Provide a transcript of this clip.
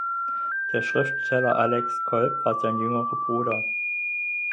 Der Schriftsteller Alexis Kolb war sein jüngerer Bruder.